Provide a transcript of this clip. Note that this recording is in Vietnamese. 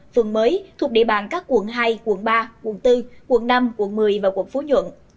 phường mới thuộc địa bàn các quận hai quận ba quận bốn quận năm quận một mươi và quận phú nhuận